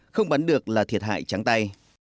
không bắn được là thiệt hại trắng tay